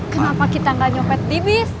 kenapa kita gak nyopet di bis